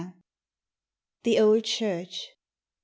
The Old Church.